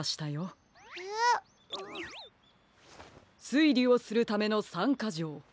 すいりをするための３かじょう。